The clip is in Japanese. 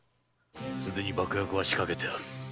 すでに爆薬は仕掛けてある。